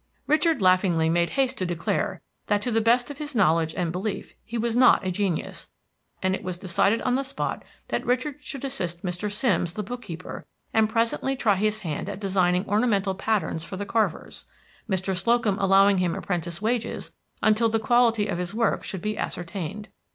Richard laughingly made haste to declare that to the best of his knowledge and belief he was not a genius, and it was decided on the spot that Richard should assist Mr. Simms, the bookkeeper, and presently try his hand at designing ornamental patterns for the carvers, Mr. Slocum allowing him apprentice wages until the quality of his work should be ascertained.